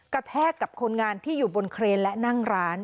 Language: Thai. แทกกับคนงานที่อยู่บนเครนและนั่งร้าน